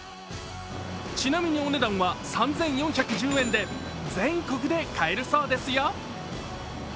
ちなみに、お値段は３４１０円で全国で買えるそうですよ。